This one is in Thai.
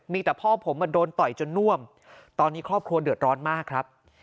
มีแต่พ่อผมมาโดนต่อยจนน่วมตอนนี้ครอบครัวเดือดร้อนมากครับ